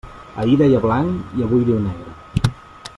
Ahir deia blanc i avui diu negre.